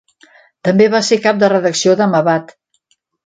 També va ser cap de redacció de Mabat.